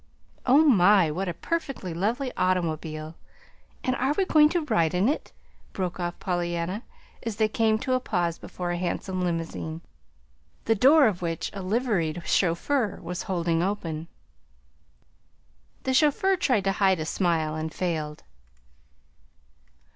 Oh, my! what a perfectly lovely automobile! And are we going to ride in it?" broke off Pollyanna, as they came to a pause before a handsome limousine, the door of which a liveried chauffeur was holding open. [Illustration: "'Oh, my! What a perfectly lovely automobile!'"] The chauffeur tried to hide a smile and failed.